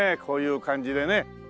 こういう感じでね。